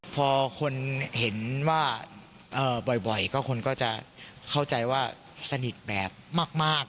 พอคนเห็นว่าบ่อยก็คนก็จะเข้าใจว่าสนิทแบบมาก